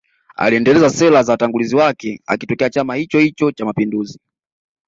Aliendeleza sera za watangulizi wake akitokea chama hichohicho cha mapinduzi